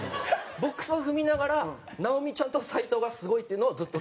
ボックスを踏みながら直美ちゃんと斉藤がすごいっていうのをずっと聞いて。